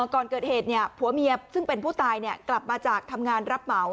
ก่อนเกิดเหตุผัวเมียซึ่งเป็นผู้ตายกลับมาจากทำงานรับเหมา